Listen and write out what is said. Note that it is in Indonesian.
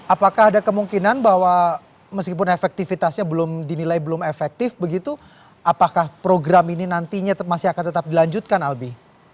apakah ada kemungkinan bahwa meskipun efektivitasnya belum dinilai belum efektif begitu apakah program ini nantinya masih akan tetap dilanjutkan albi